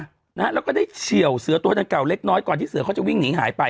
นะฮะแล้วก็ได้เฉียวเสือตัวดังเก่าเล็กน้อยก่อนที่เสือเขาจะวิ่งหนีหายไป